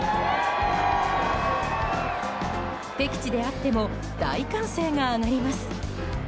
敵地であっても大歓声が上がります。